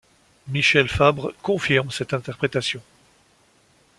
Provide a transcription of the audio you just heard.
Michel Fabre confirme cette interprétation.